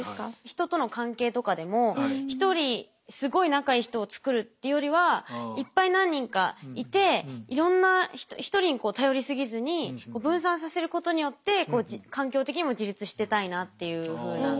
人との関係とかでも１人すごい仲いい人を作るっていうよりはいっぱい何人かいていろんな１人に頼りすぎずに分散させることによって環境的にも自立してたいなっていうふうな。